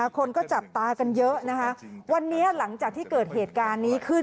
คนก็จับตากันเยอะนะคะวันนี้หลังจากที่เกิดเหตุการณ์นี้ขึ้น